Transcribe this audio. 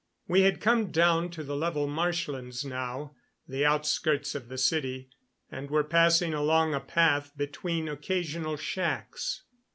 We had come down to the level marshlands now, the outskirts of the city, and were passing along a path between occasional shacks.